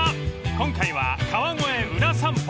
今回は川越ウラ散歩］